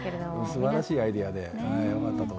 すばらしいアイデアでよかったと思う。